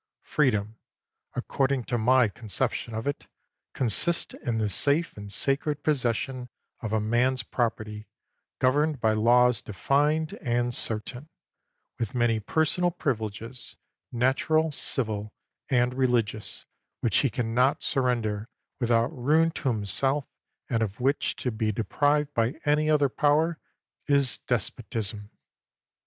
Freedom, according to my conception of it, consists in the safe and sacred possession of a man 's property, governed by laws defined and certain; with many personal privi leges, natural, civil, and religious, which he can not surrender without ruin to himself, and of which to be deprived by any other power is despotism.